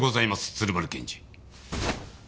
鶴丸検事。